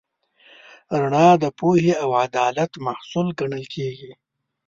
رڼا د پوهې او عدالت محصول ګڼل کېږي.